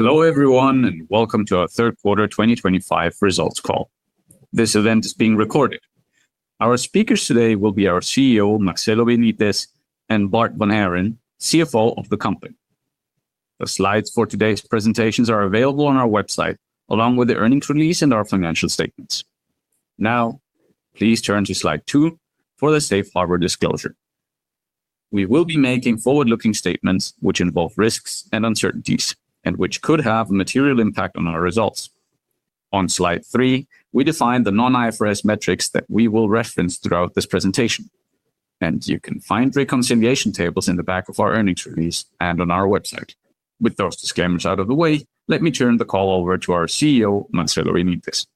Hello everyone, and welcome to our third quarter 2025 results call. This event is being recorded. Our speakers today will be our CEO, Marcelo Benitez, and Bart Vanhaeren, CFO of the company. The slides for today's presentations are available on our website, along with the earnings release and our financial statements. Now, please turn to slide two for the safe harbor disclosure. We will be making forward-looking statements which involve risks and uncertainties, and which could have a material impact on our results. On slide three, we define the non-IFRS metrics that we will reference throughout this presentation, and you can find reconciliation tables in the back of our earnings release and on our website. With those disclaimers out of the way, let me turn the call over to our CEO, Marcelo Benitez.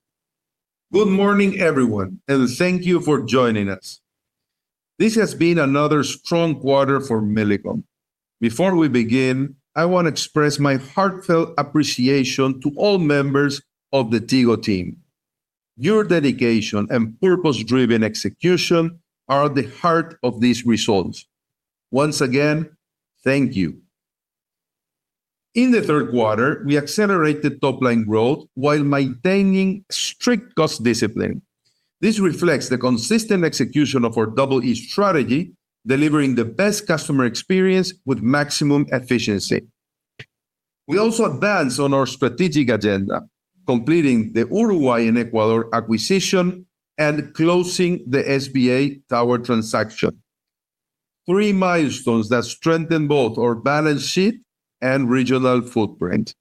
Good morning everyone, and thank you for joining us. This has been another strong quarter for Millicom. Before we begin, I want to express my heartfelt appreciation to all members of the TIGO team. Your dedication and purpose-driven execution are at the heart of these results. Once again, thank you. In the third quarter, we accelerated top-line growth while maintaining strict cost discipline. This reflects the consistent execution of our Double E strategy, delivering the best customer experience with maximum efficiency. We also advanced on our strategic agenda, completing the Uruguay and Ecuador acquisition and closing the SBA tower transaction. Three milestones that strengthen both our balance sheet and regional footprint.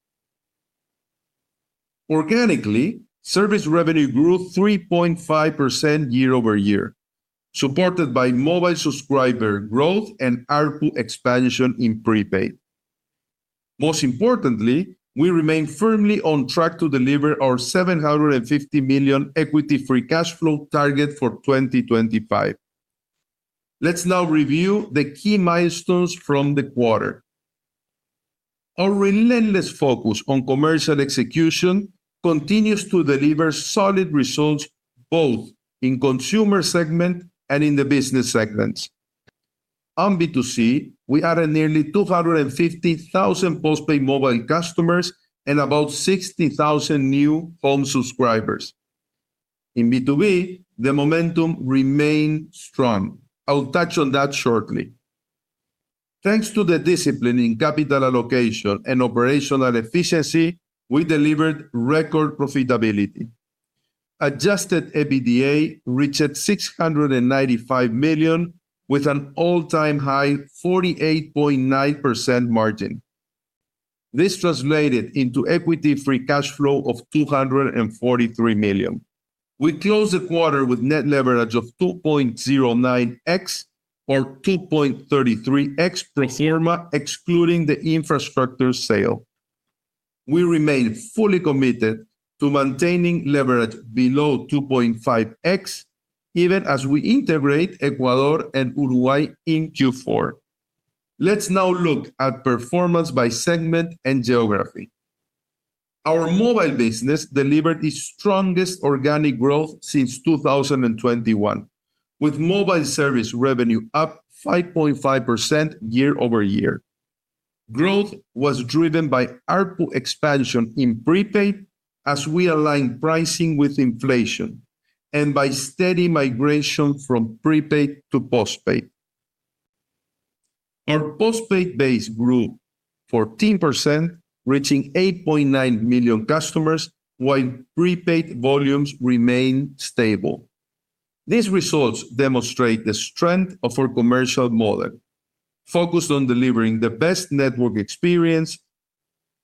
Organically, service revenue grew 3.5% year-over-year, supported by mobile subscriber growth and ARPU expansion in prepaid. Most importantly, we remain firmly on track to deliver our $750 million equity-free cash flow target for 2025. Let's now review the key milestones from the quarter. Our relentless focus on commercial execution continues to deliver solid results both in the consumer segment and in the business segments. On B2C, we added nearly 250,000 postpaid mobile customers and about 60,000 new home subscribers. In B2B, the momentum remained strong. I'll touch on that shortly. Thanks to the discipline in capital allocation and operational efficiency, we delivered record profitability. Adjusted EBITDA reached $695 million, with an all-time high 48.9% margin. This translated into equity-free cash flow of $243 million. We closed the quarter with net leverage of 2.09x or 2.33x pro forma, excluding the infrastructure sale. We remain fully committed to maintaining leverage below 2.5x, even as we integrate Ecuador and Uruguay in Q4. Let's now look at performance by segment and geography. Our mobile business delivered the strongest organic growth since 2021, with mobile service revenue up 5.5% year-over-year. Growth was driven by ARPU expansion in prepaid as we aligned pricing with inflation and by steady migration from prepaid to postpaid. Our postpaid base grew 14%, reaching 8.9 million customers, while prepaid volumes remained stable. These results demonstrate the strength of our commercial model, focused on delivering the best network experience,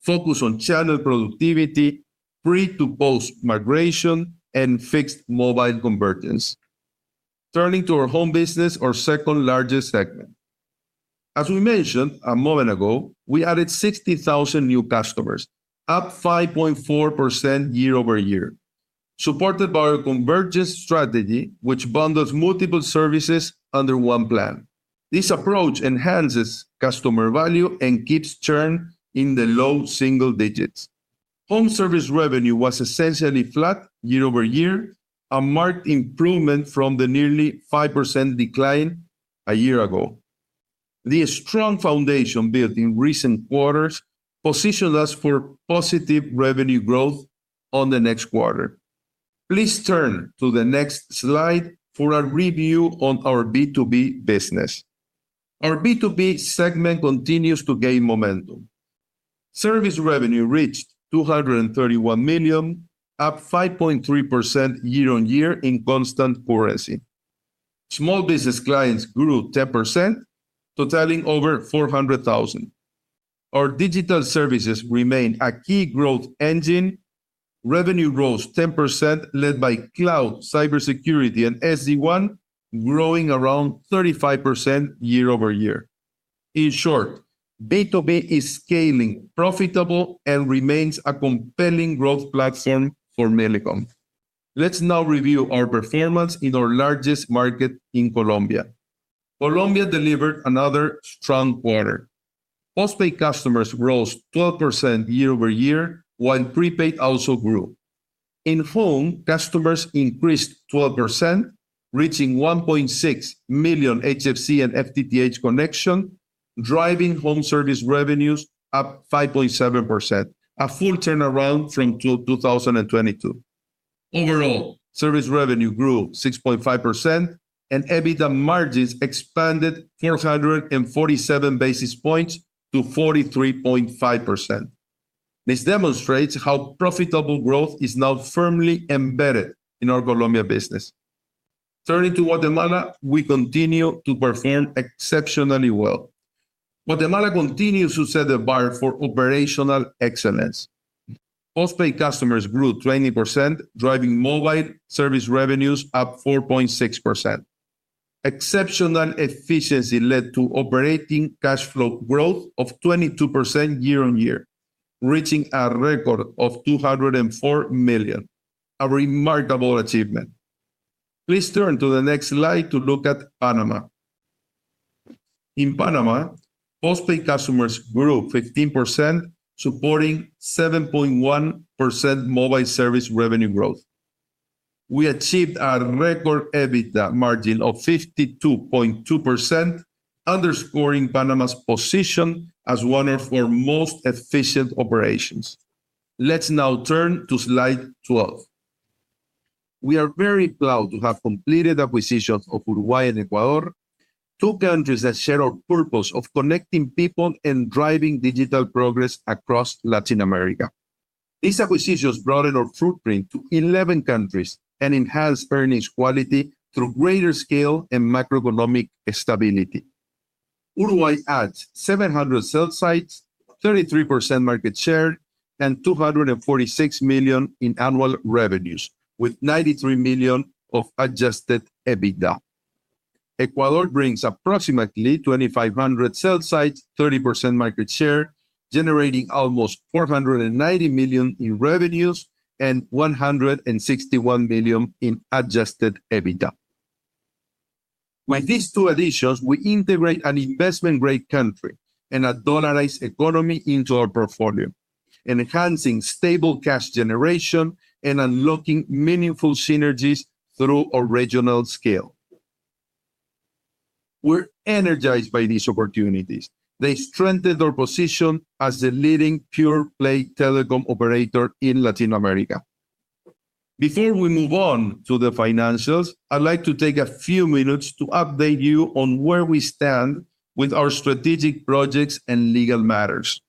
focused on channel productivity, pre-to-post migration, and fixed mobile convergence. Turning to our home business, our second largest segment. As we mentioned a moment ago, we added 60,000 new customers, up 5.4% year-over-year, supported by our convergence strategy, which bundles multiple services under one plan. This approach enhances customer value and keeps churn in the low single digits. Home service revenue was essentially flat year-over-year, a marked improvement from the nearly 5% decline a year ago. The strong foundation built in recent quarters positioned us for positive revenue growth in the next quarter. Please turn to the next slide for a review on our B2B business. Our B2B segment continues to gain momentum. Service revenue reached $231 million, up 5.3% year-on-year in constant currency. Small business clients grew 10%, totaling over 400,000. Our digital services remain a key growth engine. Revenue rose 10%, led by cloud, cybersecurity, and SD-WAN, growing around 35% year-over-year. In short, B2B is scaling, profitable, and remains a compelling growth platform for Millicom. Let's now review our performance in our largest market in Colombia. Colombia delivered another strong quarter. Postpaid customers rose 12% year-over-year, while prepaid also grew. In Home, customers increased 12%, reaching 1.6 million HFC and FTTH connections, driving home service revenues up 5.7%, a full turnaround from 2022. Overall, service revenue grew 6.5%, and EBITDA margins expanded 447 basis points to 43.5%. This demonstrates how profitable growth is now firmly embedded in our Colombia business. Turning to Guatemala, we continue to perform exceptionally well. Guatemala continues to set the bar for operational excellence. Postpaid customers grew 20%, driving mobile service revenues up 4.6%. Exceptional efficiency led to operating cash flow growth of 22% year-on-year, reaching a record of $204 million, a remarkable achievement. Please turn to the next slide to look at Panama. In Panama, postpaid customers grew 15%, supporting 7.1% mobile service revenue growth. We achieved a record EBITDA margin of 52.2%. Underscoring Panama's position as one of our most efficient operations. Let's now turn to slide 12. We are very proud to have completed acquisitions of Uruguay and Ecuador, two countries that share our purpose of connecting people and driving digital progress across Latin America. These acquisitions broadened our footprint to 11 countries and enhanced earnings quality through greater scale and macroeconomic stability. Uruguay adds 700 sales sites, 33% market share, and $246 million in annual revenues, with $93 million of adjusted EBITDA. Ecuador brings approximately 2,500 sales sites, 30% market share, generating almost $490 million in revenues and $161 million in adjusted EBITDA. With these two additions, we integrate an investment-grade country and a dollarized economy into our portfolio, enhancing stable cash generation and unlocking meaningful synergies through our regional scale. We're energized by these opportunities. They strengthened our position as the leading pure-play telecom operator in Latin America. Before we move on to the financials, I'd like to take a few minutes to update you on where we stand with our strategic projects and legal matters.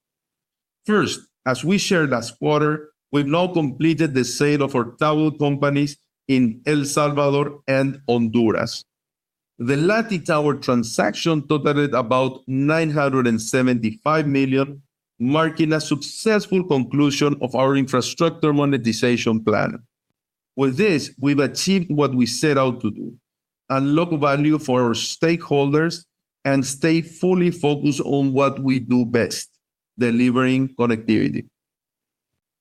First, as we shared last quarter, we've now completed the sale of our tower companies in El Salvador and Honduras. The Lati tower transaction totaled about $975 million, marking a successful conclusion of our infrastructure monetization plan. With this, we've achieved what we set out to do: unlock value for our stakeholders and stay fully focused on what we do best: delivering connectivity.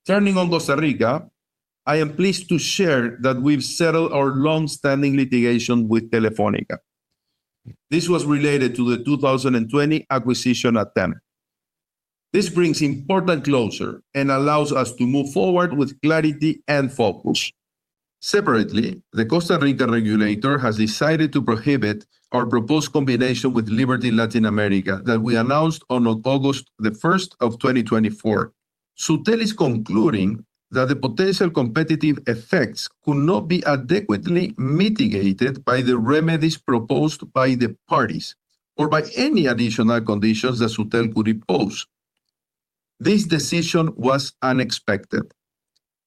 Turning on Costa Rica, I am pleased to share that we've settled our long-standing litigation with Telefónica. This was related to the 2020 acquisition attempt. This brings important closure and allows us to move forward with clarity and focus. Separately, the Costa Rica regulator has decided to prohibit our proposed combination with Liberty Latin America that we announced on August 1st, 2024. Sutel is concluding that the potential competitive effects could not be adequately mitigated by the remedies proposed by the parties or by any additional conditions that Sutel could impose. This decision was unexpected,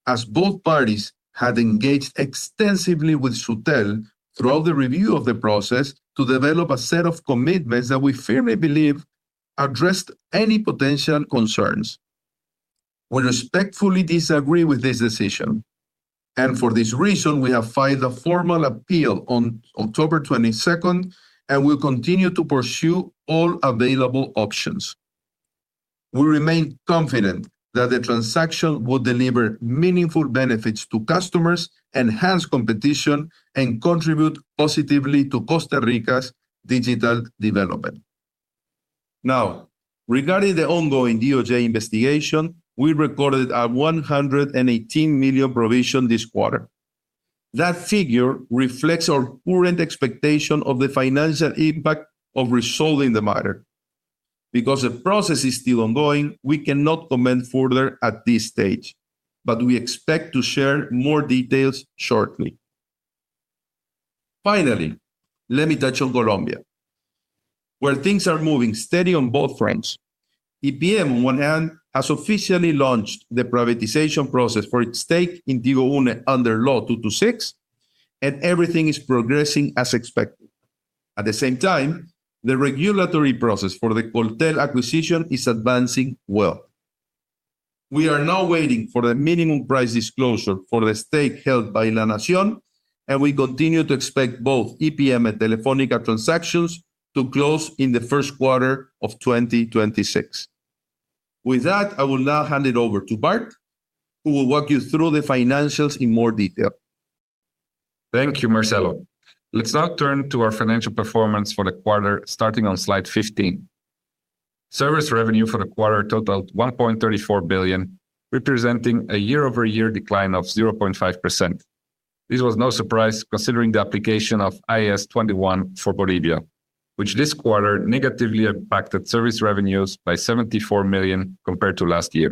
as both parties had engaged extensively with Sutel throughout the review of the process to develop a set of commitments that we firmly believe addressed any potential concerns. We respectfully disagree with this decision. For this reason, we have filed a formal appeal on October 22nd, and we'll continue to pursue all available options. We remain confident that the transaction would deliver meaningful benefits to customers, enhance competition, and contribute positively to Costa Rica's digital development. Now, regarding the ongoing DOJ investigation, we recorded a $118 million provision this quarter. That figure reflects our current expectation of the financial impact of resolving the matter. Because the process is still ongoing, we cannot comment further at this stage, but we expect to share more details shortly. Finally, let me touch on Colombia, where things are moving steady on both fronts. EPM, on one hand, has officially launched the privatization process for its stake in TIGO-UNE under Law 226, and everything is progressing as expected. At the same time, the regulatory process for the Coltel acquisition is advancing well. We are now waiting for the minimum price disclosure for the stake held by La Nación, and we continue to expect both EPM and Telefónica transactions to close in the first quarter of 2026. With that, I will now hand it over to Bart, who will walk you through the financials in more detail. Thank you, Marcelo.Let's now turn to our financial performance for the quarter, starting on slide 15. Service revenue for the quarter totaled $1.34 billion, representing a year-over-year decline of 0.5%. This was no surprise, considering the application of IAS 21 for Bolivia, which this quarter negatively impacted service revenues by $74 million compared to last year.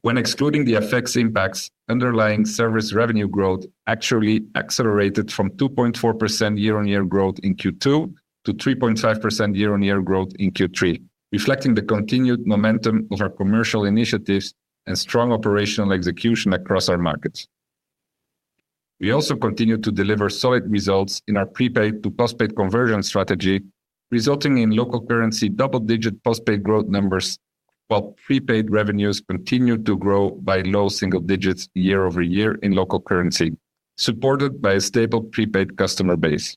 When excluding the FX impacts, underlying service revenue growth actually accelerated from 2.4% year-on-year growth in Q2 to 3.5% year-on-year growth in Q3, reflecting the continued momentum of our commercial initiatives and strong operational execution across our markets. We also continued to deliver solid results in our prepaid to postpaid conversion strategy, resulting in local currency double-digit postpaid growth numbers, while prepaid revenues continued to grow by low single digits year-over-year in local currency, supported by a stable prepaid customer base.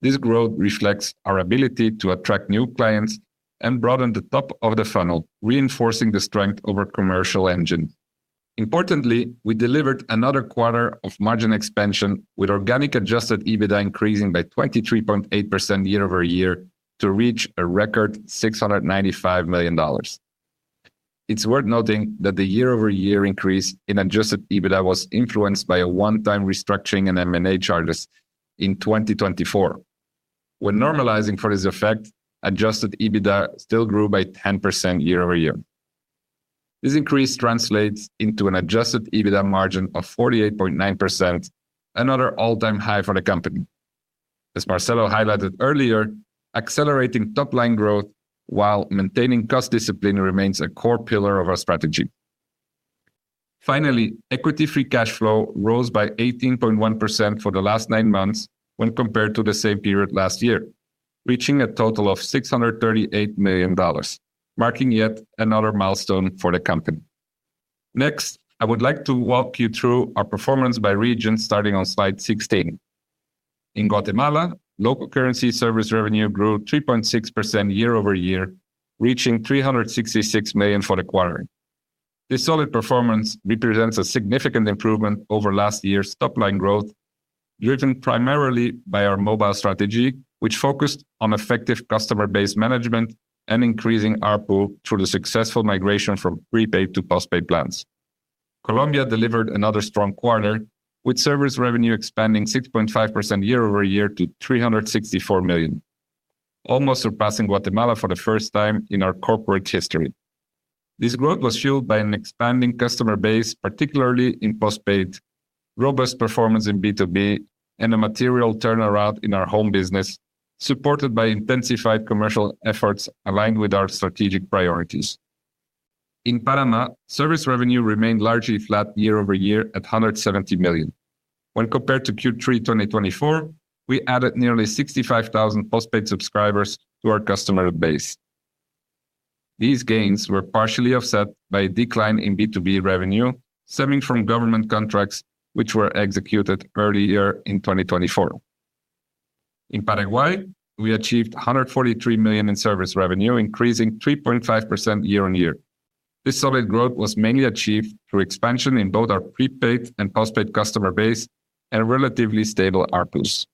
This growth reflects our ability to attract new clients and broaden the top of the funnel, reinforcing the strength of our commercial engine. Importantly, we delivered another quarter of margin expansion, with organic adjusted EBITDA increasing by 23.8% year-over-year to reach a record $695 million. It's worth noting that the year-over-year increase in adjusted EBITDA was influenced by a one-time restructuring and M&A charges in 2024. When normalizing for this effect, adjusted EBITDA still grew by 10% year-over-year. This increase translates into an adjusted EBITDA margin of 48.9%, another all-time high for the company. As Marcelo highlighted earlier, accelerating top-line growth while maintaining cost discipline remains a core pillar of our strategy. Finally, equity-free cash flow rose by 18.1% for the last nine months when compared to the same period last year, reaching a total of $638 million, marking yet another milestone for the company. Next, I would like to walk you through our performance by region, starting on slide 16. In Guatemala, local currency service revenue grew 3.6% year-over-year, reaching $366 million for the quarter. This solid performance represents a significant improvement over last year's top-line growth, driven primarily by our mobile strategy, which focused on effective customer base management and increasing ARPU through the successful migration from prepaid to postpaid plans. Colombia delivered another strong quarter, with service revenue expanding 6.5% year-over-year to $364 million, almost surpassing Guatemala for the first time in our corporate history. This growth was fueled by an expanding customer base, particularly in postpaid, robust performance in B2B, and a material turnaround in our home business, supported by intensified commercial efforts aligned with our strategic priorities. In Panama, service revenue remained largely flat year-over-year at $170 million. When compared to Q3 2024, we added nearly 65,000 postpaid subscribers to our customer base. These gains were partially offset by a decline in B2B revenue stemming from government contracts, which were executed earlier in 2024. In Paraguay, we achieved $143 million in service revenue, increasing 3.5% year-on-year. This solid growth was mainly achieved through expansion in both our prepaid and postpaid customer base and a relatively stable ARPUs.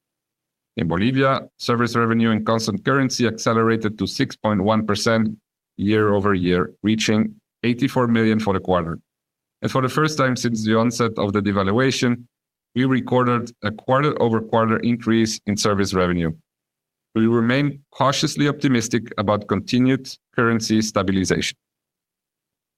In Bolivia, service revenue in constant currency accelerated to 6.1% year-over-year, reaching $84 million for the quarter. For the first time since the onset of the devaluation, we recorded a quarter-over-quarter increase in service revenue. We remain cautiously optimistic about continued currency stabilization.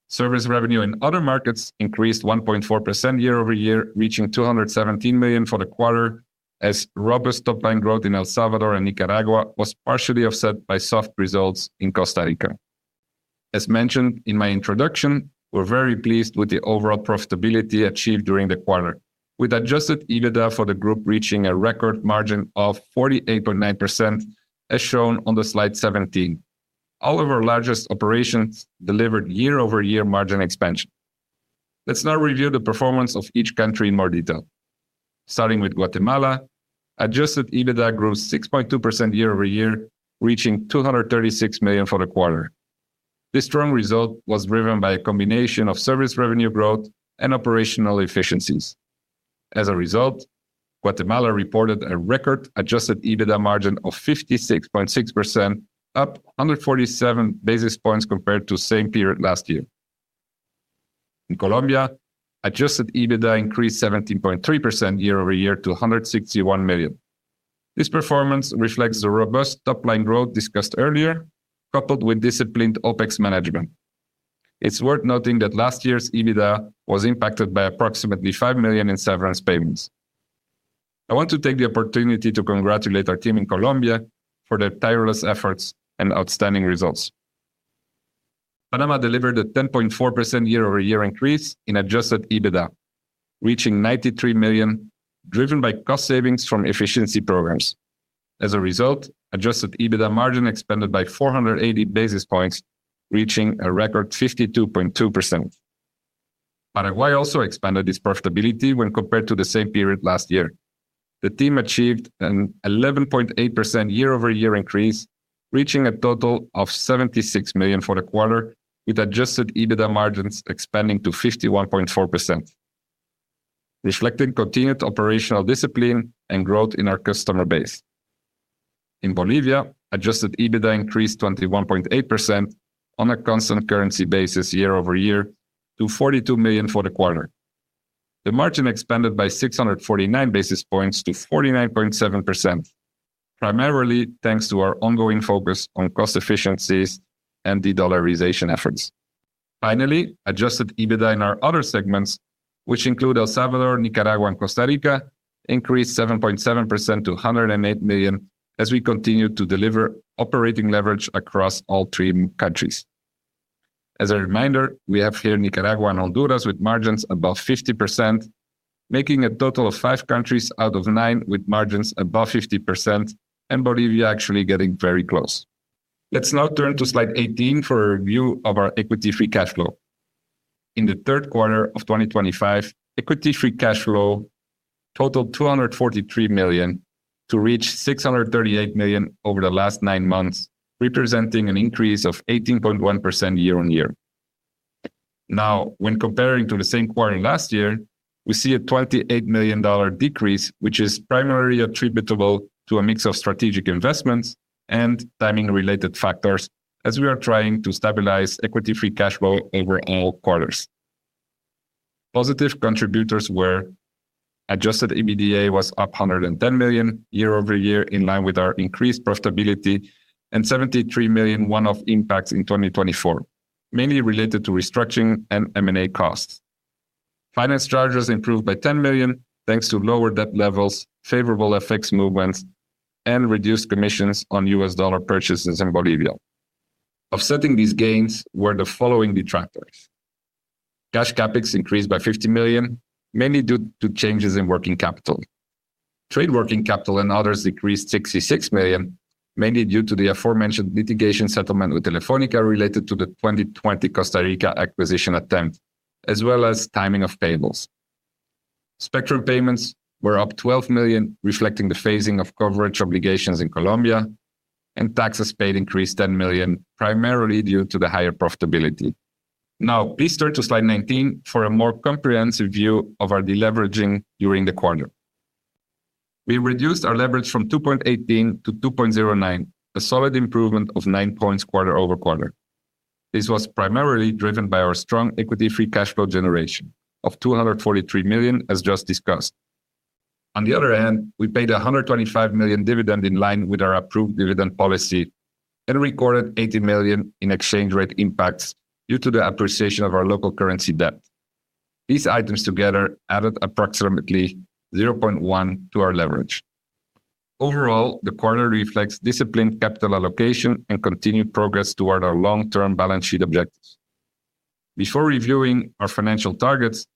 Service revenue in other markets increased 1.4% year-over-year, reaching $217 million for the quarter, as robust top-line growth in El Salvador and Nicaragua was partially offset by soft results in Costa Rica. As mentioned in my introduction, we're very pleased with the overall profitability achieved during the quarter, with adjusted EBITDA for the group reaching a record margin of 48.9%, as shown on slide 17. All of our largest operations delivered year-over-year margin expansion. Let's now review the performance of each country in more detail. Starting with Guatemala, adjusted EBITDA grew 6.2% year-over-year, reaching $236 million for the quarter. This strong result was driven by a combination of service revenue growth and operational efficiencies. As a result, Guatemala reported a record adjusted EBITDA margin of 56.6%, up 147 basis points compared to the same period last year. In Colombia, adjusted EBITDA increased 17.3% year-over-year to $161 million. This performance reflects the robust top-line growth discussed earlier, coupled with disciplined OpEx management. It's worth noting that last year's EBITDA was impacted by approximately $5 million in severance payments. I want to take the opportunity to congratulate our team in Colombia for their tireless efforts and outstanding results. Panama delivered a 10.4% year-over-year increase in adjusted EBITDA, reaching $93 million, driven by cost savings from efficiency programs. As a result, adjusted EBITDA margin expanded by 480 basis points, reaching a record 52.2%. Paraguay also expanded its profitability when compared to the same period last year. The team achieved an 11.8% year-over-year increase, reaching a total of $76 million for the quarter, with adjusted EBITDA margins expanding to 51.4%. Reflecting continued operational discipline and growth in our customer base. In Bolivia, adjusted EBITDA increased 21.8% on a constant currency basis year-over-year to $42 million for the quarter. The margin expanded by 649 basis points to 49.7%. Primarily thanks to our ongoing focus on cost efficiencies and de-dollarization efforts. Finally, adjusted EBITDA in our other segments, which include El Salvador, Nicaragua, and Costa Rica, increased 7.7% to $108 million as we continue to deliver operating leverage across all three countries. As a reminder, we have here Nicaragua and Honduras with margins above 50%. Making a total of five countries out of nine with margins above 50%, and Bolivia actually getting very close. Let's now turn to slide 18 for a review of our equity-free cash flow. In the third quarter of 2025, equity-free cash flow totaled $243 million to reach $638 million over the last nine months, representing an increase of 18.1% year-on-year. Now, when comparing to the same quarter last year, we see a $28 million decrease, which is primarily attributable to a mix of strategic investments and timing-related factors, as we are trying to stabilize equity-free cash flow over all quarters. Positive contributors were adjusted EBITDA was up $110 million year-over-year, in line with our increased profitability and $73 million one-off impacts in 2024, mainly related to restructuring and M&A costs. Finance charges improved by $10 million thanks to lower debt levels, favorable FX movements, and reduced commissions on U.S. dollar purchases in Bolivia. Offsetting these gains were the following detractors. Cash CapEx increased by $50 million, mainly due to changes in working capital. Trade working capital and others decreased $66 million, mainly due to the aforementioned litigation settlement with Telefónica related to the 2020 Costa Rica acquisition attempt, as well as timing of payables. Spectrum payments were up $12 million, reflecting the phasing of coverage obligations in Colombia, and taxes paid increased $10 million, primarily due to the higher profitability. Now, please turn to slide 19 for a more comprehensive view of our deleveraging during the quarter. We reduced our leverage from 2.18x to 2.09x, a solid improvement of nine points quarter-over-quarter. This was primarily driven by our strong equity-free cash flow generation of $243 million, as just discussed. On the other hand, we paid a $125 million dividend in line with our approved dividend policy and recorded $80 million in exchange rate impacts due to the appreciation of our local currency debt. These items together added approximately 0.1x to our leverage. Overall, the quarter reflects disciplined capital allocation and continued progress toward our long-term balance sheet objectives. Before reviewing our financial targets,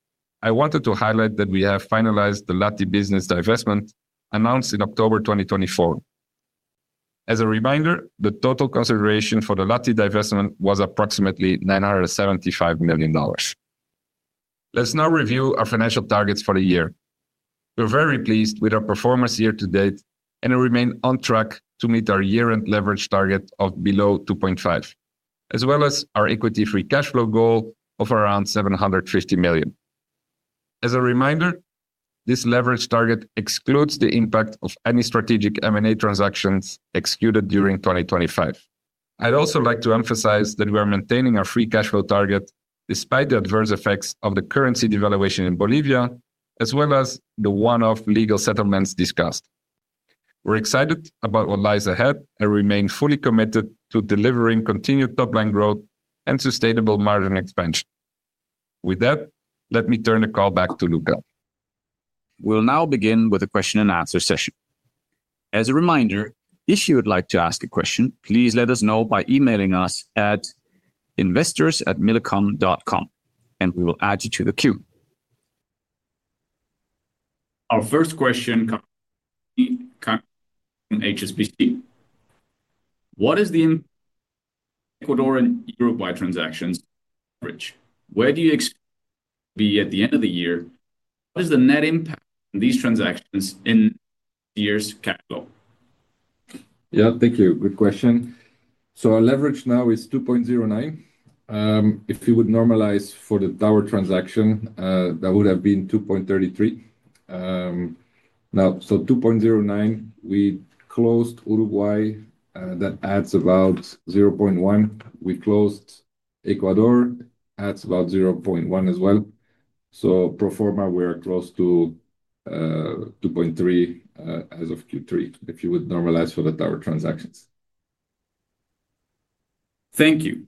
I wanted to highlight that we have finalized the Lati business divestment announced in October 2024. As a reminder, the total consideration for the Lati divestment was approximately $975 million. Let's now review our financial targets for the year. We're very pleased with our performance year-to-date and remain on track to meet our year-end leverage target of below 2.5x, as well as our equity-free cash flow goal of around $750 million. As a reminder, this leverage target excludes the impact of any strategic M&A transactions executed during 2025. I'd also like to emphasize that we are maintaining our free cash flow target despite the adverse effects of the currency devaluation in Bolivia, as well as the one-off legal settlements discussed. We're excited about what lies ahead and remain fully committed to delivering continued top-line growth and sustainable margin expansion. With that, let me turn the call back to Luca. We'll now begin with a question-and-answer session. As a reminder, if you would like to ask a question, please let us know by emailing us at investors@millicom.com, and we will add you to the queue. Our first question comes from HSBC. What is the Ecuador and Uruguay transactions' leverage? Where do you expect to be at the end of the year? What is the net impact of these transactions in this year's cash flow? Yeah, thank you. Good question. Our leverage now is 2.09x. If we would normalize for the tower transaction, that would have been 2.33x. Now, 2.09x, we closed Uruguay, that adds about 0.1x. We closed Ecuador, adds about 0.1x as well. Pro forma, we are close to 2.3x as of Q3, if you would normalize for the tower transactions. Thank you.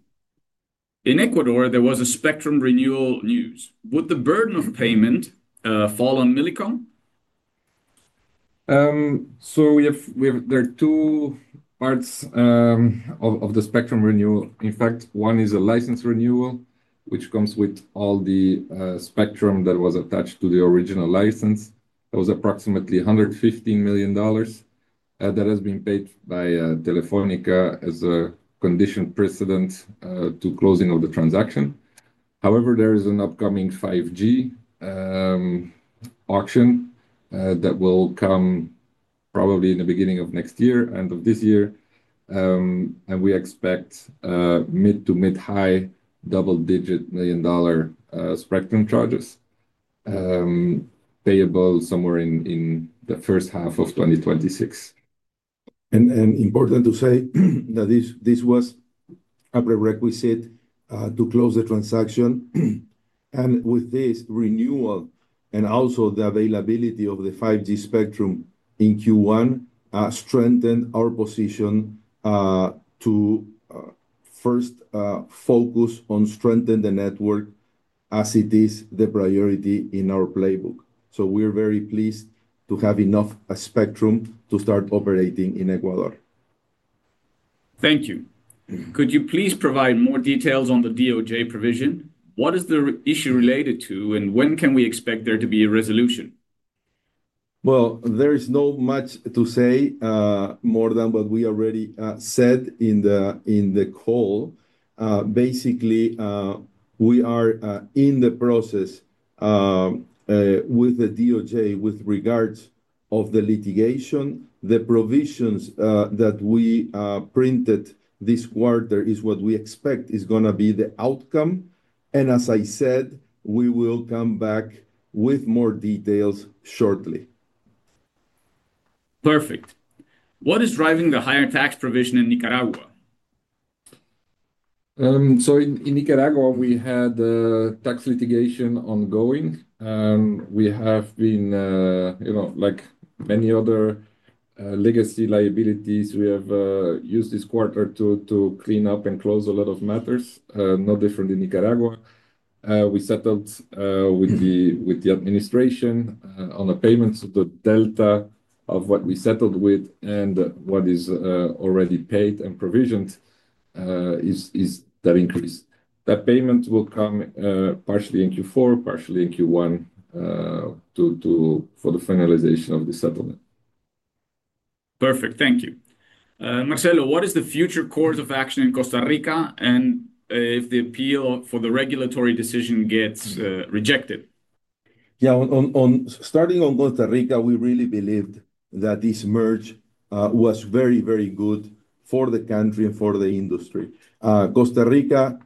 In Ecuador, there was a spectrum renewal news. Would the burden of payment fall on Millicom? We have, there are two parts of the spectrum renewal. In fact, one is a license renewal, which comes with all the spectrum that was attached to the original license. That was approximately $115 million. That has been paid by Telefónica as a condition precedent to closing of the transaction. However, there is an upcoming 5G auction that will come probably in the beginning of next year and of this year. We expect mid to mid-high double-digit million dollar spectrum charges payable somewhere in the first half of 2026. It is important to say that this was a prerequisite to close the transaction. With this renewal and also the availability of the 5G spectrum in Q1, it strengthened our position to first focus on strengthening the network, as it is the priority in our playbook. We are very pleased to have enough spectrum to start operating in Ecuador. Thank you. Could you please provide more details on the DOJ provision? What is the issue related to, and when can we expect there to be a resolution? There is not much to say, more than what we already said in the call. Basically, we are in the process with the DOJ with regards to the litigation. The provisions that we printed this quarter is what we expect is going to be the outcome. As I said, we will come back with more details shortly. Perfect. What is driving the higher tax provision in Nicaragua? In Nicaragua, we had tax litigation ongoing. We have been, you know, like many other legacy liabilities, we have used this quarter to clean up and close a lot of matters, not different in Nicaragua. We settled with the administration on a payment to the delta of what we settled with and what is already paid and provisioned. Is that increase. That payment will come partially in Q4, partially in Q1 for the finalization of the settlement. Perfect, thank you. Marcelo, what is the future course of action in Costa Rica and if the appeal for the regulatory decision gets rejected? Yeah, on starting on Costa Rica, we really believed that this merge was very, very good for the country and for the industry. Costa Rica,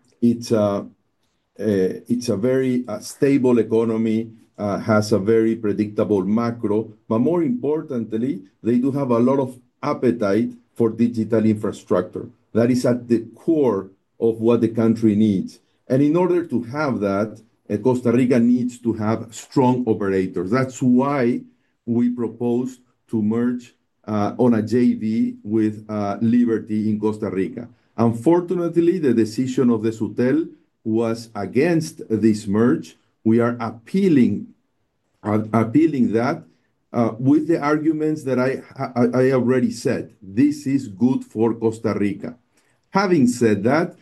it's a very stable economy, has a very predictable macro, but more importantly, they do have a lot of appetite for digital infrastructure. That is at the core of what the country needs. In order to have that, Costa Rica needs to have strong operators. That's why we proposed to merge on a JV with Liberty in Costa Rica. Unfortunately, the decision of the Sutel was against this merge. We are appealing that with the arguments that I already said. This is good for Costa Rica. Having said that,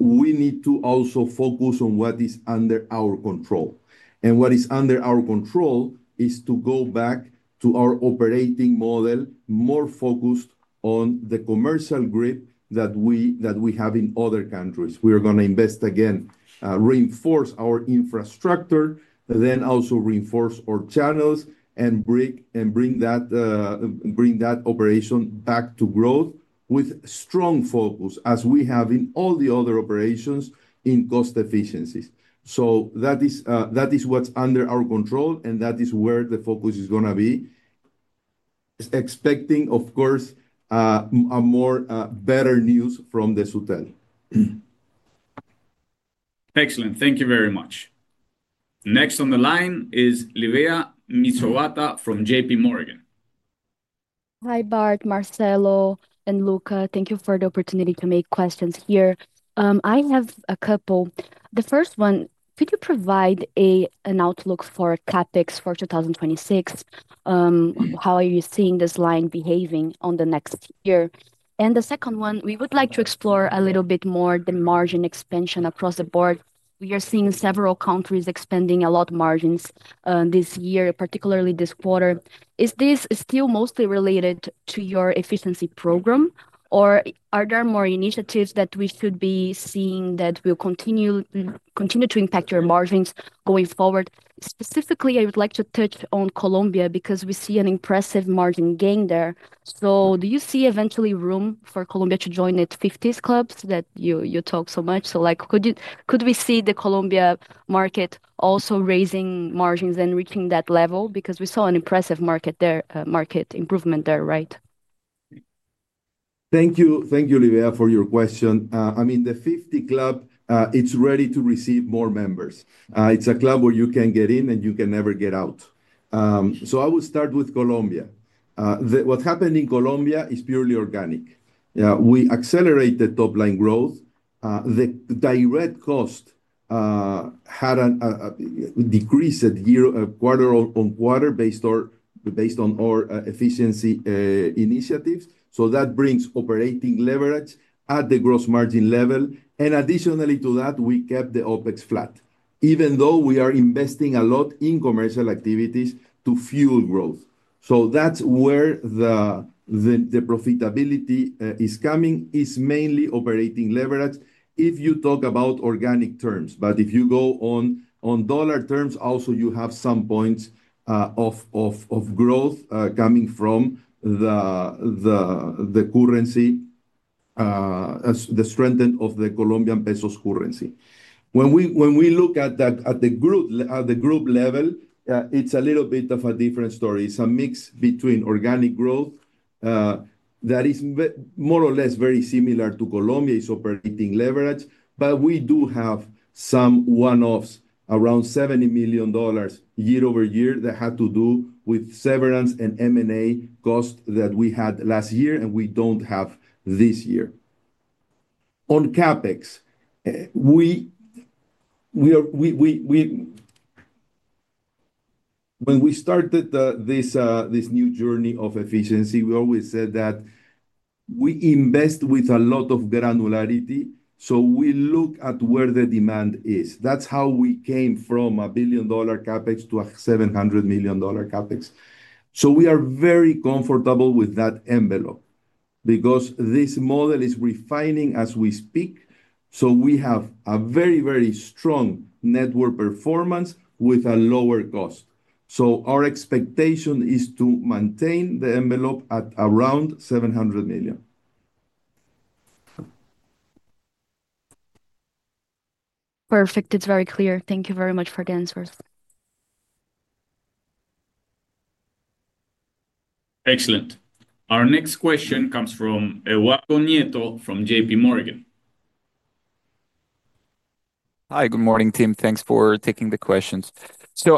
we need to also focus on what is under our control. What is under our control is to go back to our operating model, more focused on the commercial grip that we have in other countries. We are going to invest again, reinforce our infrastructure, then also reinforce our channels and bring that operation back to growth with strong focus, as we have in all the other operations in cost efficiencies. That is what is under our control, and that is where the focus is going to be. Expecting, of course, more better news from the Sutel. Excellent. Thank you very much. Next on the line is Livea Mizobata from JPMorgan. Hi, Bart, Marcelo, and Luca. Thank you for the opportunity to make questions here. I have a couple. The first one, could you provide an outlook for CapEx for 2026? How are you seeing this line behaving on the next year? The second one, we would like to explore a little bit more the margin expansion across the board. We are seeing several countries expanding a lot of margins this year, particularly this quarter. Is this still mostly related to your efficiency program, or are there more initiatives that we should be seeing that will continue to impact your margins going forward? Specifically, I would like to touch on Colombia because we see an impressive margin gain there. Do you see eventually room for Colombia to join its 50s club that you talk so much? Could we see the Colombia market also raising margins and reaching that level? Because we saw an impressive market improvement there, right? Thank you. Thank you, Livea, for your question. I mean, the 50 club, it's ready to receive more members. It's a club where you can get in and you can never get out. I will start with Colombia. What happened in Colombia is purely organic. We accelerated top-line growth. The direct cost had a decrease quarter-on-quarter based on our efficiency initiatives. That brings operating leverage at the gross margin level. Additionally to that, we kept the OpEx flat, even though we are investing a lot in commercial activities to fuel growth. That's where the profitability is coming, is mainly operating leverage if you talk about organic terms. If you go on dollar terms, also you have some points of growth coming from the currency, the strength of the Colombian peso currency. When we look at the group level, it's a little bit of a different story. It's a mix between organic growth. That is more or less very similar to Colombia's operating leverage, but we do have some one-offs around $70 million year-over-year that had to do with severance and M&A costs that we had last year and we do not have this year. On CapEx. When we started this new journey of efficiency, we always said that we invest with a lot of granularity, so we look at where the demand is. That is how we came from a billion dollar CapEx to a $700 million CapEx. We are very comfortable with that envelope because this model is refining as we speak. We have a very, very strong network performance with a lower cost. Our expectation is to maintain the envelope at around $700 million. Perfect. It is very clear. Thank you very much for the answers. Excellent. Our next question comes from Eduardo Nieto from JPMorgan. Hi, good morning, Tim. Thanks for taking the questions.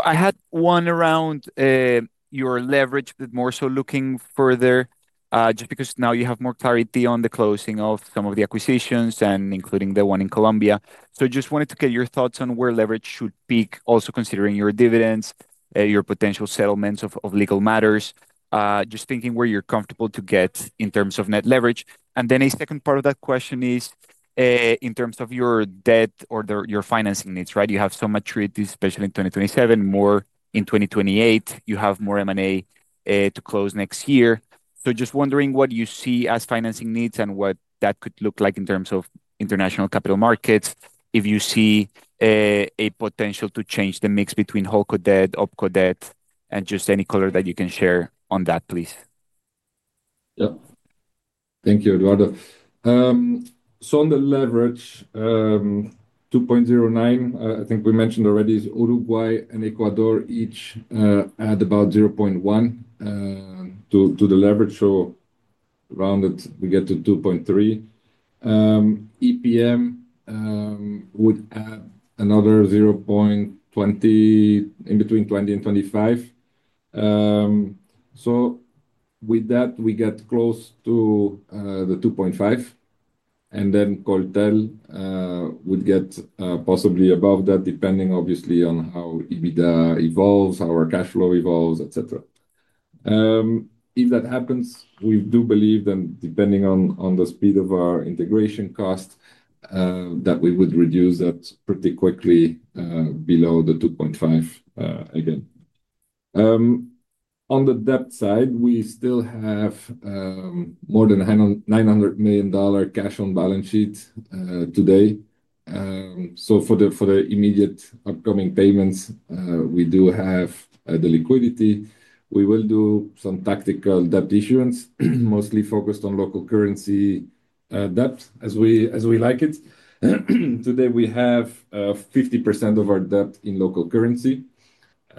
I had one around your leverage, but more so looking further just because now you have more clarity on the closing of some of the acquisitions and including the one in Colombia. I just wanted to get your thoughts on where leverage should peak, also considering your dividends, your potential settlements of legal matters, just thinking where you're comfortable to get in terms of net leverage. A second part of that question is, in terms of your debt or your financing needs, right? You have some maturities, especially in 2027, more in 2028. You have more M&A to close next year. Just wondering what you see as financing needs and what that could look like in terms of international capital markets, if you see. A potential to change the mix between HoldCo debt, OpCo debt, and just any color that you can share on that, please. Yeah. Thank you, Eduardo. On the leverage, 2.09x, I think we mentioned already, is Uruguay and Ecuador each at about 0.1x to the leverage, so rounded, we get to 2.3x. EPM would add another 0.20x, in between 0.20x and 0.25x. With that, we get close to the 2.5x. Coltel would get possibly above that, depending obviously on how EBITDA evolves, how our cash flow evolves, etc. If that happens, we do believe that depending on the speed of our integration cost, we would reduce that pretty quickly below the 2.5x again. On the debt side, we still have more than $900 million cash on balance sheet today. For the immediate upcoming payments, we do have the liquidity. We will do some tactical debt issuance, mostly focused on local currency. Debt, as we like it. Today, we have 50% of our debt in local currency.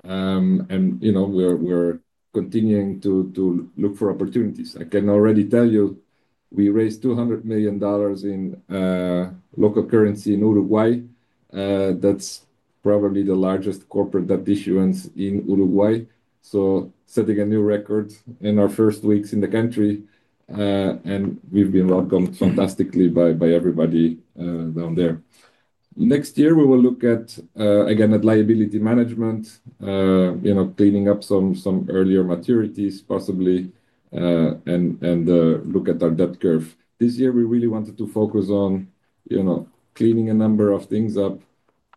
We're continuing to look for opportunities. I can already tell you, we raised $200 million in local currency in Uruguay. That's probably the largest corporate debt issuance in Uruguay. Setting a new record in our first weeks in the country. We've been welcomed fantastically by everybody down there. Next year, we will look again at liability management, cleaning up some earlier maturities, possibly, and look at our debt curve. This year, we really wanted to focus on cleaning a number of things up,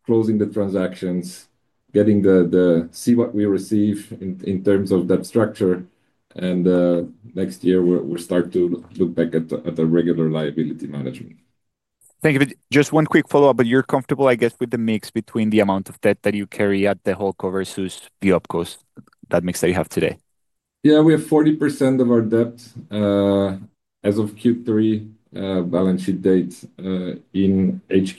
closing the transactions, getting to see what we receive in terms of that structure. Next year, we'll start to look back at the regular liability management. Thank you. Just one quick follow-up, but you're comfortable, I guess, with the mix between the amount of debt that you carry at the HoldCo versus the OpCos, that mix that you have today? Yeah, we have 40% of our debt as of Q3 balance sheet date in HQ.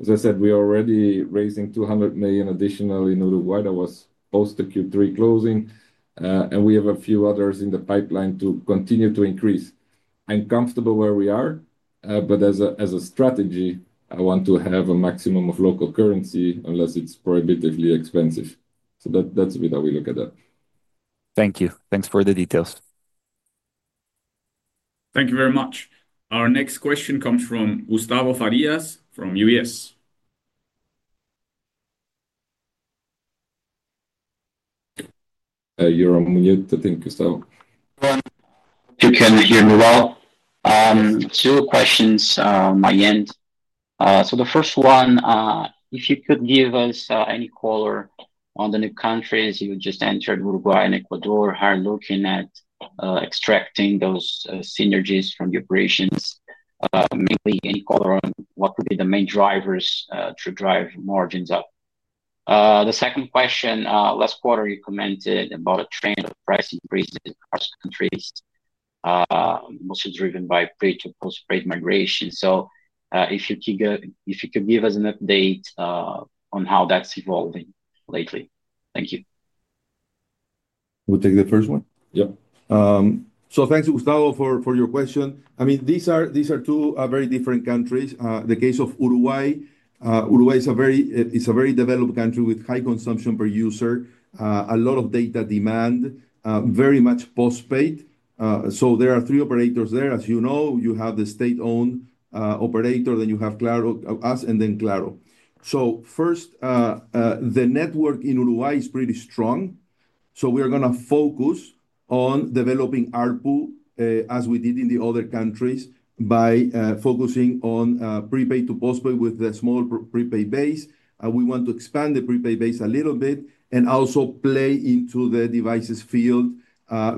As I said, we are already raising $200 million additionally in Uruguay. That was post the Q3 closing. And we have a few others in the pipeline to continue to increase. I'm comfortable where we are, but as a strategy, I want to have a maximum of local currency unless it's prohibitively expensive. That's the way that we look at that. Thank you. Thanks for the details. Thank you very much. Our next question comes from Gustavo Farias from UBS. You're on mute. I think, Gustavo. You can hear me well? Two questions on my end. So the first one, if you could give us any color on the new countries you just entered, Uruguay and Ecuador, how are you looking at extracting those synergies from the operations? Maybe any color on what would be the main drivers to drive margins up? The second question, last quarter, you commented about a trend of price increases across countries. Mostly driven by pre-to-post-trade migration. So if you could give us an update on how that's evolving lately. Thank you. We'll take the first one. Yep. So thanks, Gustavo, for your question. I mean, these are two very different countries. The case of Uruguay. Uruguay is a very developed country with high consumption per user. A lot of data demand, very much postpaid. So there are three operators there. As you know, you have the state-owned operator, then you have us, and then Claro. So first. The network in Uruguay is pretty strong. We are going to focus on developing ARPU as we did in the other countries by focusing on prepaid to postpaid with the small prepaid base. We want to expand the prepaid base a little bit and also play into the devices field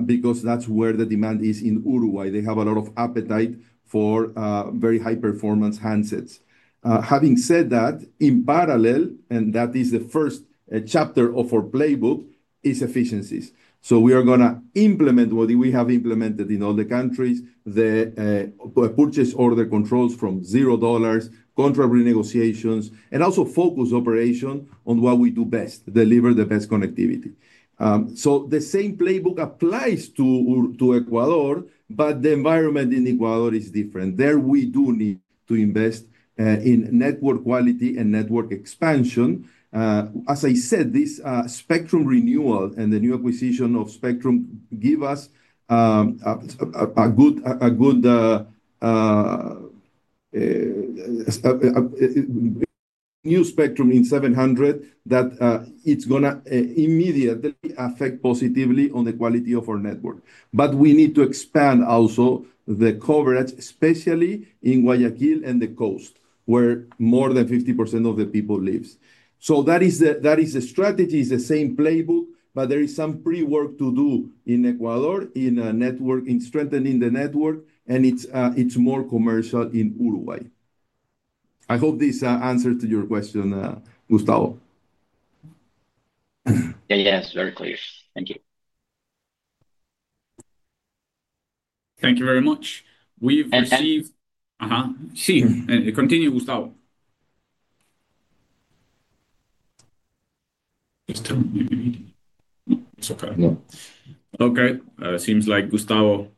because that's where the demand is in Uruguay. They have a lot of appetite for very high-performance handsets. Having said that, in parallel, and that is the first chapter of our playbook, is efficiencies. We are going to implement what we have implemented in all the countries, the purchase order controls from $0, contract renegotiations, and also focus operation on what we do best, deliver the best connectivity. The same playbook applies to Ecuador, but the environment in Ecuador is different. There we do need to invest in network quality and network expansion. As I said, this spectrum renewal and the new acquisition of spectrum give us a good new spectrum in 700 that it's going to immediately affect positively on the quality of our network. We need to expand also the coverage, especially in Guayaquil and the coast, where more than 50% of the people live. That is the strategy, is the same playbook, but there is some pre-work to do in Ecuador in strengthening the network, and it's more commercial in Uruguay. I hope this answers to your question, Gustavo. Yes, very clear. Thank you. Thank you very much. We've received. Continue, Gustavo. It's okay. It seems like Gustavo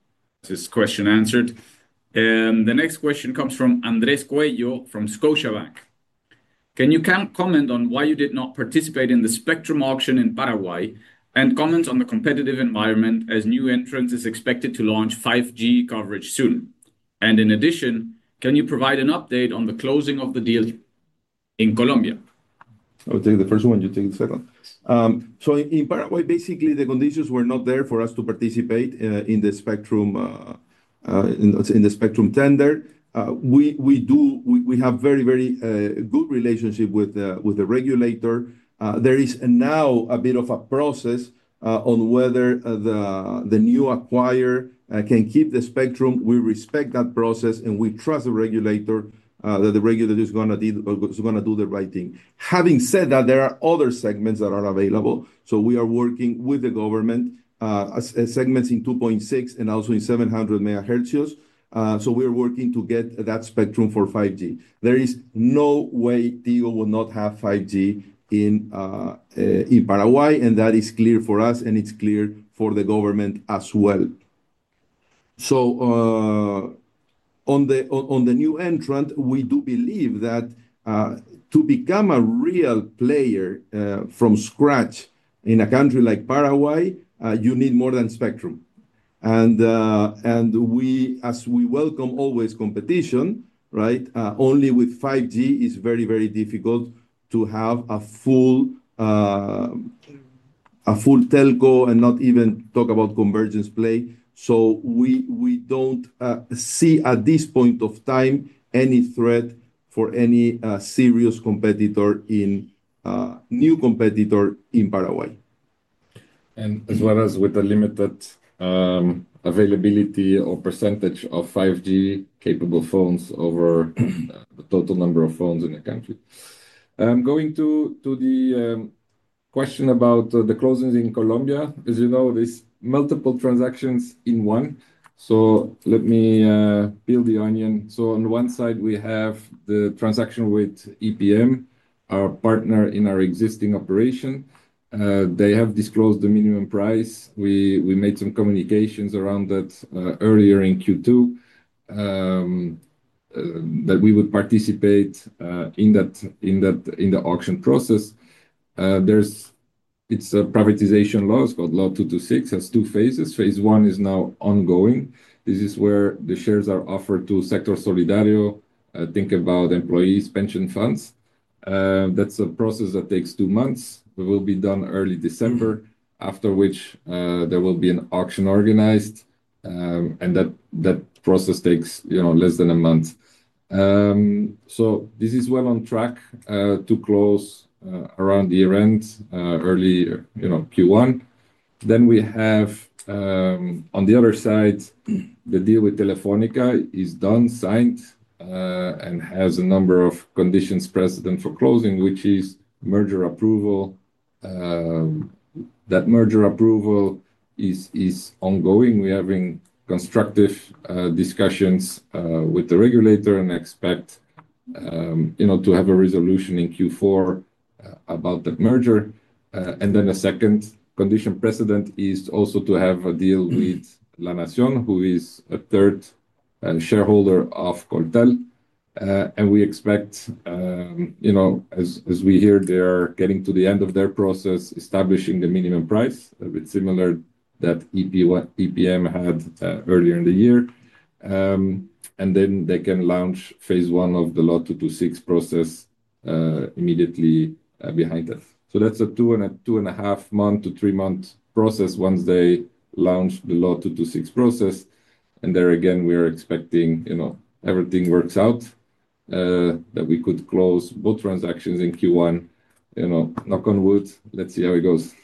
has his question answered. The next question comes from Andres Coello from Scotiabank. Can you comment on why you did not participate in the spectrum auction in Paraguay and comment on the competitive environment as new entrants are expected to launch 5G coverage soon? In addition, can you provide an update on the closing of the deal in Colombia? I'll take the first one. You take the second. In Paraguay, basically, the conditions were not there for us to participate in the spectrum tender. We have a very, very good relationship with the regulator. There is now a bit of a process on whether the new acquirer can keep the spectrum. We respect that process, and we trust the regulator that the regulator is going to do the right thing. Having said that, there are other segments that are available. We are working with the government. Segments in 2.6 and also in 700 MHz. We are working to get that spectrum for 5G. There is no way TIGO will not have 5G in Paraguay, and that is clear for us, and it's clear for the government as well. On the new entrant, we do believe that to become a real player from scratch in a country like Paraguay, you need more than spectrum. As we always welcome competition, right? Only with 5G, it is very, very difficult to have a full telco and not even talk about convergence play. We do not see at this point of time any threat for any serious competitor, new competitor in Paraguay. As well as with the limited availability or percentage of 5G-capable phones over the total number of phones in the country. I am going to the question about the closings in Colombia. As you know, there are multiple transactions in one. Let me peel the onion. On one side, we have the transaction with EPM, our partner in our existing operation. They have disclosed the minimum price. We made some communications around that earlier in Q2. We would participate in the auction process. It is a privatization law, it is called Law 226, and it has two phases. Phase I is now ongoing. This is where the shares are offered to Sector Solidario, think about employees, pension funds. That is a process that takes two months. It will be done early December, after which there will be an auction organized. That process takes less than a month. This is well on track to close around year-end, early Q1. On the other side, the deal with Telefónica is done, signed, and has a number of conditions present for closing, which is merger approval. That merger approval is ongoing. We're having constructive discussions with the regulator and expect to have a resolution in Q4 about the merger. The second condition precedent is also to have a deal with La Nación, who is a third shareholder of Coltel. We expect, as we hear, they are getting to the end of their process, establishing the minimum price, a bit similar to that EPM had earlier in the year. Then they can launch phase I of the Law 226 process immediately behind that. That's a two and a half month to three-month process once they launch the Law 226 process. There again, we are expecting, if everything works out, that we could close both transactions in Q1. Knock on wood, let's see how it goes.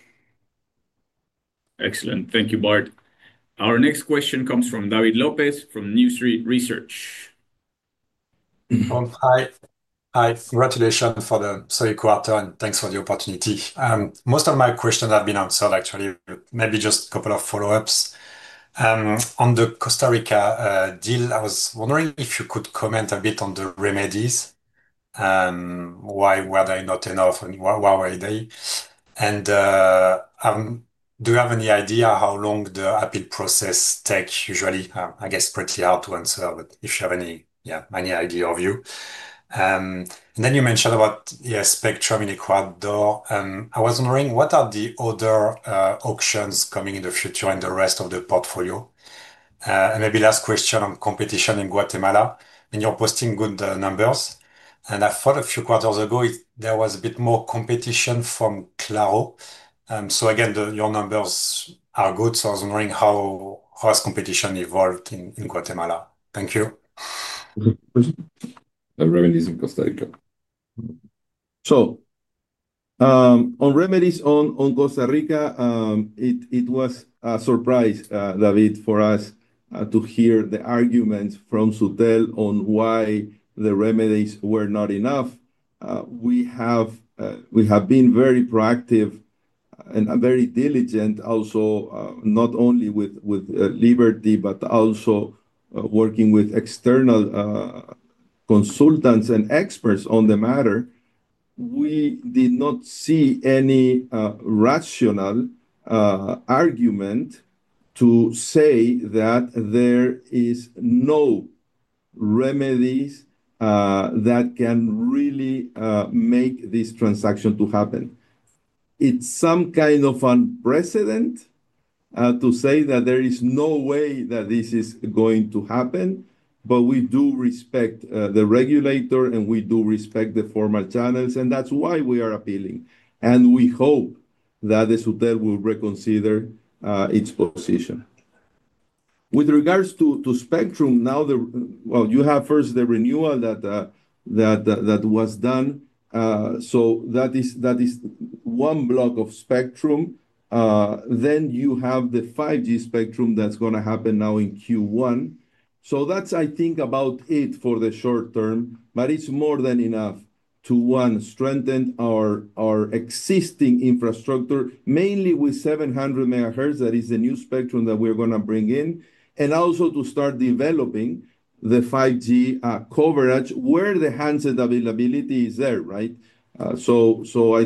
Excellent. Thank you, Bart. Our next question comes from David Lopes from New Street Research. Hi. Hi. Congratulations for the third quarter and thanks for the opportunity. Most of my questions have been answered, actually, maybe just a couple of follow-ups. On the Costa Rica deal, I was wondering if you could comment a bit on the remedies. Why were they not enough and why were they? Do you have any idea how long the appeal process takes usually? I guess it's pretty hard to answer, but if you have any idea, if you. You mentioned about spectrum in Ecuador. I was wondering, what are the other auctions coming in the future and the rest of the portfolio? Maybe last question on competition in Guatemala. You're posting good numbers. I thought a few quarters ago, there was a bit more competition from Claro. Your numbers are good. I was wondering how has competition evolved in Guatemala. Thank you. Remedies in Costa Rica. On remedies on Costa Rica, it was a surprise, David, for us to hear the arguments from Sutel on why the remedies were not enough. We have been very proactive and very diligent also, not only with Liberty, but also working with external consultants and experts on the matter. We did not see any rational argument to say that there is no remedies that can really make this transaction happen. It is some kind of unprecedented to say that there is no way that this is going to happen, but we do respect the regulator and we do respect the formal channels, and that is why we are appealing. We hope that Sutel will reconsider its position. With regards to spectrum, now you have first the renewal that was done. That is one block of spectrum. You have the 5G spectrum that is going to happen now in Q1. I think that is about it for the short term, but it is more than enough to, one, strengthen our existing infrastructure, mainly with 700 MHz. That is the new spectrum that we are going to bring in. Also, to start developing the 5G coverage where the handset availability is there, right? I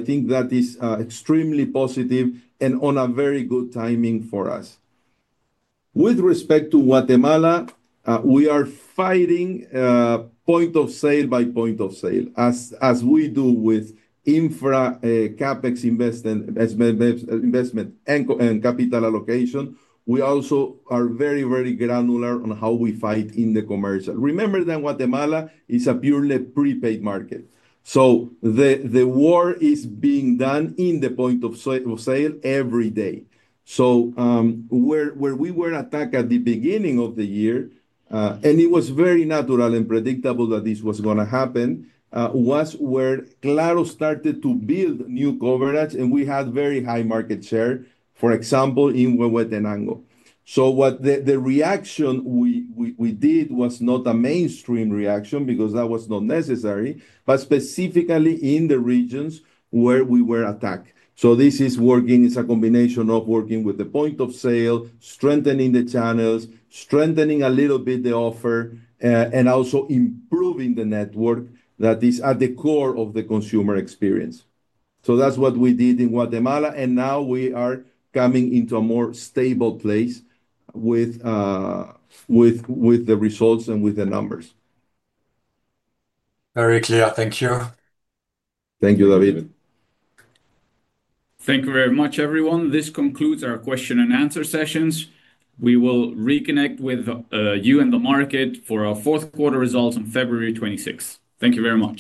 think that is extremely positive and on very good timing for us. With respect to Guatemala, we are fighting point of sale by point of sale. As we do with infra CapEx investment and capital allocation, we also are very, very granular on how we fight in the commercial. Remember that Guatemala is a purely prepaid market. The war is being done in the point of sale every day. Where we were attacked at the beginning of the year, and it was very natural and predictable that this was going to happen. Was where Claro started to build new coverage, and we had very high market share, for example, in Quetzaltenango. The reaction we did was not a mainstream reaction because that was not necessary, but specifically in the regions where we were attacked. This is working; it is a combination of working with the point of sale, strengthening the channels, strengthening a little bit the offer, and also improving the network that is at the core of the consumer experience. That is what we did in Guatemala, and now we are coming into a more stable place with the results and with the numbers. Very clear. Thank you. Thank you, David. Thank you very much, everyone. This concludes our question-and-answer sessions. We will reconnect with you and the market for our fourth quarter results on February 26th. Thank you very much.